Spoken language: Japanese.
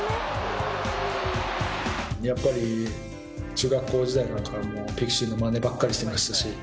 やっぱり中学校時代なんかはピクシーのマネばっかりしていましたし。